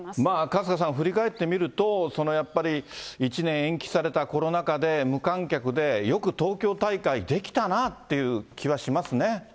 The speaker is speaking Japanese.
春日さん、振り返ってみると、やっぱり１年延期されたコロナ禍で、無観客で、よく東京大会できたなっていう気はしますね。